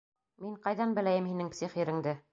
Мин ҡайҙан беләйем һинең псих иреңде?